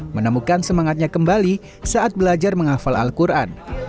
menemukan semangatnya kembali saat belajar menghafal al quran